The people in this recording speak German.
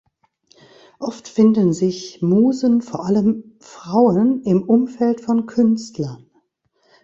Oft finden sich Musen, vor allem Frauen, im Umfeld von Künstlern.